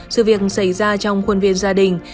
sự việc xảy ra trong khuôn viên gia đình